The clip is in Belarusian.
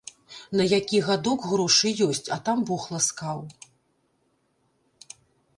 На які гадок грошы ёсць, а там бог ласкаў.